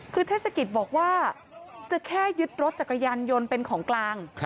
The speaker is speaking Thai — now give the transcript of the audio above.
คือเทศกิจบอกว่าจะแค่ยึดรถจักรยานยนต์เป็นของกลาง